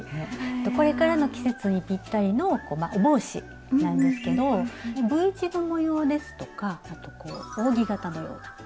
これからの季節にぴったりのお帽子なんですけどＶ字の模様ですとか扇形のような模様がね